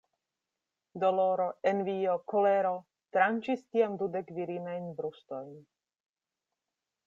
Doloro, envio, kolero, tranĉis tiam dudek virinajn brustojn.